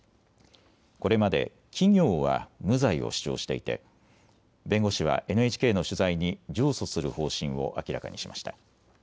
これまで企業は無罪を主張していて弁護士はＮＨＫの取材に上訴する方針を明らかにしました。